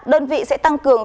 đơn vị sẽ tăng cường